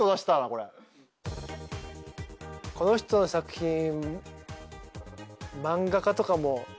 この人の作品漫画化とかも。